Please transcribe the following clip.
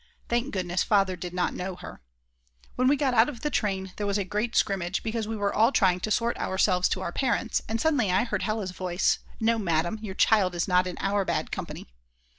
Thank goodness Father did not know her. When we got out of the train there was a great scrimmage, because we were all trying to sort ourselves to our parents, and suddenly I heard Hella's voice: "No, Madam, your child is not in our bad company."